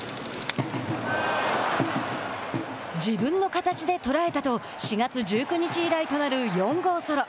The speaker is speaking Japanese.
「自分の形で捉えた」と４月１９日以来となる４号ソロ。